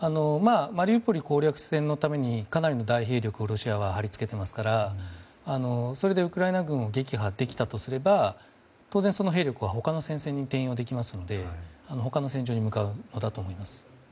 マリウポリ攻略戦のためにかなりの大兵力をロシアは張り付けていますからそれで、ウクライナ軍を撃破できたとすれば当然、その兵力は他の戦線に転用できますので他の戦場に向かうことだと思います。